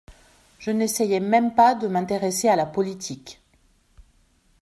Je n'essayai même pas de m'intéresser à la politique.